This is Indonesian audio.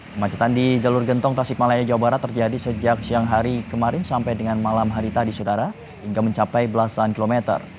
kemacetan di jalur gentong tasikmalaya jawa barat terjadi sejak siang hari kemarin sampai dengan malam hari tadi sudahra hingga mencapai belasan kilometer